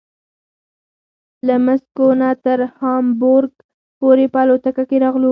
له مسکو نه تر هامبورګ پورې په الوتکه کې راغلو.